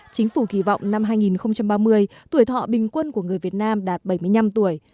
chính phủ kỳ vọng năm hai nghìn ba mươi tuổi thọ bình quân của người việt nam đạt bảy mươi năm tuổi